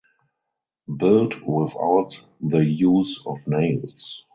Built without the use of nails.